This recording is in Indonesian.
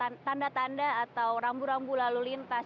dan sedikit sekali tanda tanda atau rambu rambu lalu lintas